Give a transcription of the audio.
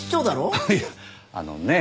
ああいやあのねえ。